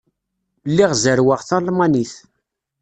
Lliɣ zerrweɣ talmanit.